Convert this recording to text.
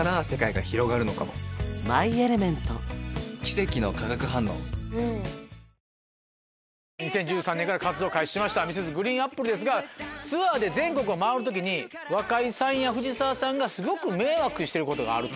この後２０１３年から活動を開始しましたＭｒｓ．ＧＲＥＥＮＡＰＰＬＥですがツアーで全国を回る時に若井さんや藤澤さんがすごく迷惑してることがあると。